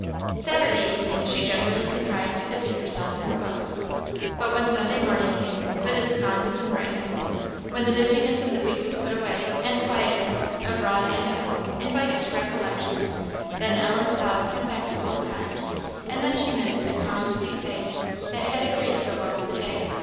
Saturday evening she generally contrived to busy herself in her books. But when Sunday morning came, with its calmness and brightness when the business of the week was put away, and quietness, abroad and at home, invited to recollection then Ellen's thoughts went back to old times, and then she missed the calm, sweet face that had agreed so well with the day.